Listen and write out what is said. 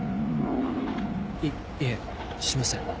いいえしません。